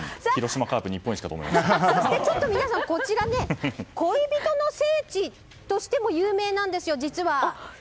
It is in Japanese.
ちょっと皆さん、こちら恋人の聖地としても有名なんですよ、実は。